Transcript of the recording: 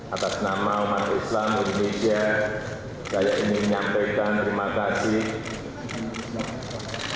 atas nama umat islam indonesia saya ingin menyampaikan terima kasih